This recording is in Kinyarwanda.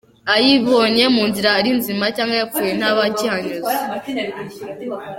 Ayibonye mu nzira ari nzima cyangwa yapfuye, ntaba akihanyuze.